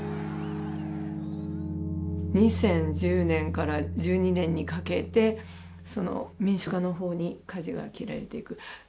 ２０１０年から１２年にかけて民主化の方にかじが切られていく。